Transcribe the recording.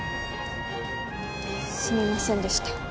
すみませんでした。